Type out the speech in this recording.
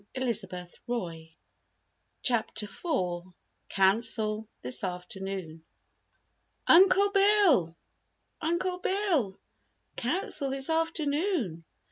_ Page 76] CHAPTER FOUR COUNCIL THIS AFTERNOON "Uncle Bill! Uncle Bill! Council this afternoon!"